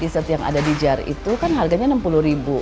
dessert yang ada di jar itu kan harganya rp enam puluh ribu